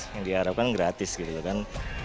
yang diharapkan gratis gitu kan